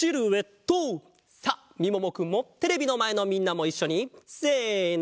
さあみももくんもテレビのまえのみんなもいっしょにせの。